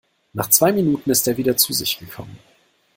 Nach zwei Minuten ist er wieder zu sich gekommen.